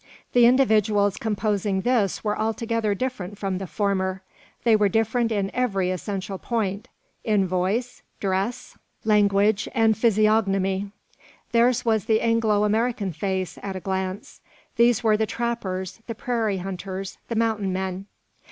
The individuals composing this were altogether different from the former. They were different in every essential point: in voice, dress, language, and physiognomy. Theirs was the Anglo American face, at a glance. These were the trappers, the prairie hunters, the mountain men.